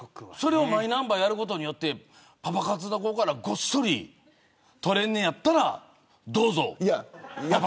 マイナンバーやることによってパパ活の子からごっそり取れるんやったら。